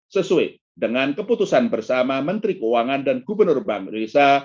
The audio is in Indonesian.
sesuai dengan keputusan bersama menteri keuangan dan gubernur bank indonesia